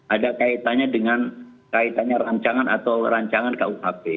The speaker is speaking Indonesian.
ada kaitannya dengan kaitannya rancangan atau rancangan kuhp